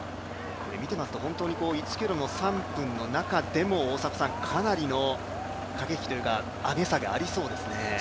見ていますと本当に、１ｋｍの３分の中でもかなりの駆け引きというか上げ下げありそうですね。